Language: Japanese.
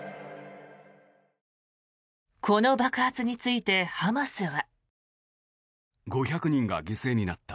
この爆発について、ハマスは。